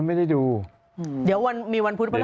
ไม่ได้ดูเดี๋ยววันมีวันพุธพระห